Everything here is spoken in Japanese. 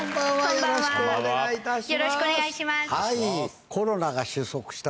よろしくお願いします。